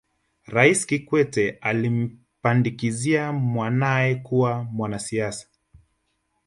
raisi kikwete alimpandikiza mwanae kuwa mwanasiasa